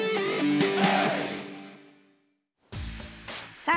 さあ